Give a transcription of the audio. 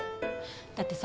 だってさ